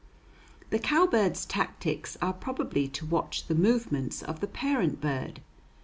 The cowbird's tactics are probably to watch the movements of the parent bird.